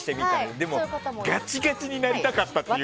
でもガチガチになりたかったっていう。